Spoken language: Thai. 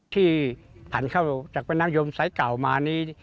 ที่ผ่านเข้าจากประนักยมศัยเก่ามานี่